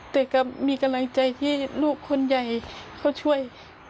แต่ก็มีกำลังใจที่ลูกคนใหญ่เขาช่วย